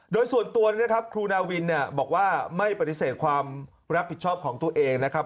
โดยส่วนตัวนะครับครูนาวินบอกว่าไม่ปฏิเสธความรับผิดชอบของตัวเองนะครับ